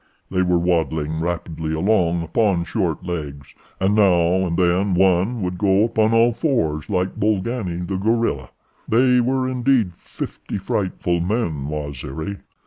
They were waddling rapidly along upon short legs, and now and then one would go upon all fours like Bolgani, the gorilla. They were indeed fifty frightful men, Waziri."